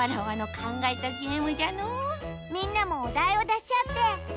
みんなもおだいをだしあってやってみてね！